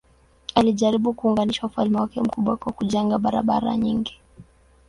Alijaribu kuunganisha ufalme wake mkubwa kwa kujenga barabara nyingi.